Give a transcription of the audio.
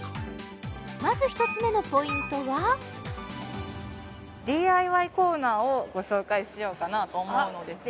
まず１つ目のポイントはＤＩＹコーナーをご紹介しようかなと思うのですが素敵！